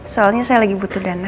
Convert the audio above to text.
soalnya saya lagi butuh dana